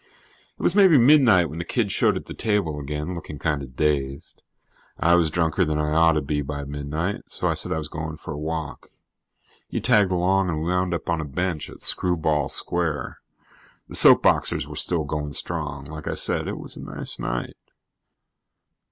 It was maybe midnight when the kid showed at the table again, looking kind of dazed. I was drunker than I ought to be by midnight, so I said I was going for a walk. He tagged along and we wound up on a bench at Screwball Square. The soap boxers were still going strong. Like I said, it was a nice night.